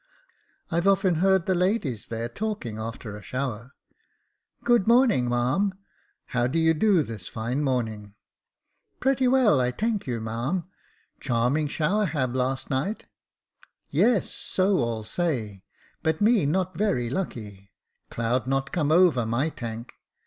I've often heard the ladies there talking after a shower :—' Good morning, marm. How do you do this line morning ?'"* Pretty well, I tank you, marm. Charming shower hab last night.' "' Yes, so all say ; but me not very lucky. Cloud not come over my tank.